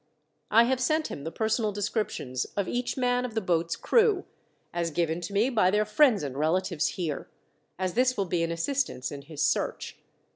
"I have sent him the personal descriptions of each man of the boat's crew, as given to me by their friends and relatives here, as this will be an assistance in his search.